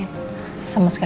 gak ada apa apa